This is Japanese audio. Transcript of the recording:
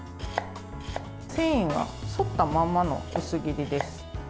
繊維は、沿ったままの薄切りです。